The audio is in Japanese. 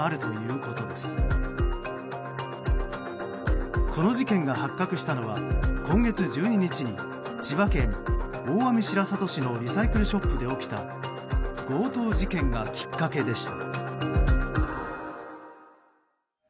この事件が発覚したのは今月１２日に千葉県大網白里市のリサイクルショップで起きた強盗事件がきっかけでした。